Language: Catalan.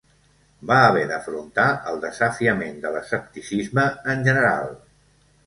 Va haver d'afrontar el desafiament de l'escepticisme en general.